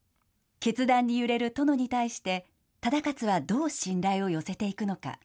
決断に揺れる殿に対して、忠勝はどう信頼を寄せていくのか。